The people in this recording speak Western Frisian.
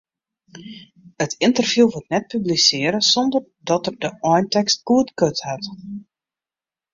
It ynterview wurdt net publisearre sonder dat er de eintekst goedkard hat.